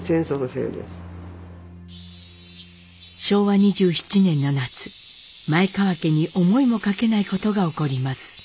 昭和２７年の夏前川家に思いもかけないことが起こります。